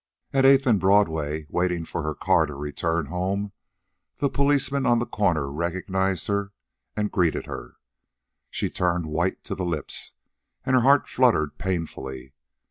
At Eighth and Broadway, waiting for her car to return home, the policeman on the corner recognized her and greeted her. She turned white to the lips, and her heart fluttered painfully.